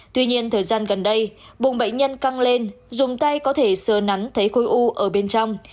tuy nhiên thời gian gần đây bùng bệnh nhân căng lên dùng tay có thể sờ nắn thấy khối u ở bên trong